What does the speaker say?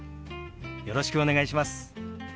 よろしくお願いします。